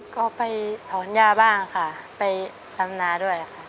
ก็ไปถอนยาบ้างค่ะไปทำนาด้วยค่ะ